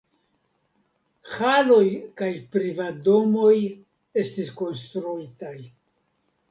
Haloj kaj privatdomoj estis konstruitaj.